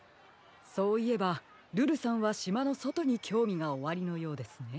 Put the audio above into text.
そういえばルルさんはしまのそとにきょうみがおありのようですね。